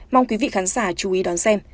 mong quý vị khán giả chú ý đón xem